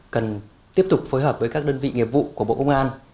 cần tiếp tục phối hợp với các đơn vị nghiệp vụ của bộ công an